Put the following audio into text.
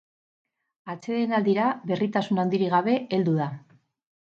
Atsedenaldira berritasun handirik gabe heldu da.